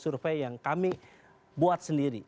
survei yang kami buat sendiri